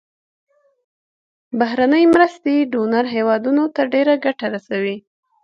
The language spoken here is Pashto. بهرنۍ مرستې ډونر هیوادونو ته ډیره ګټه رسوي.